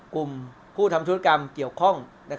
กลุ่มผู้ทำธุรกรรมเกี่ยวข้อง